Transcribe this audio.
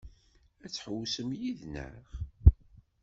Ad ḥewwsen yid-neɣ?